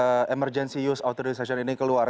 oke saat ini kemudian autorisasi ini keluar